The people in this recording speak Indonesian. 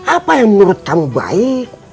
apa yang menurut kamu baik